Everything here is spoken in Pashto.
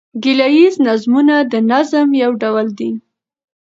ګيله ييز نظمونه د نظم یو ډول دﺉ.